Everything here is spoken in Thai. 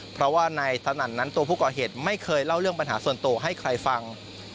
เพราะว่านายสนั่นนั้นตัวผู้ก่อเหตุไม่เคยเล่าเรื่องปัญหาส่วนตัวให้ใครฟัง